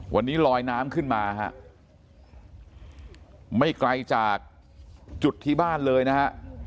วันนี้ลอยน้ำขึ้นมาฮะไม่ไกลจากจุดที่บ้านเลยนะฮะ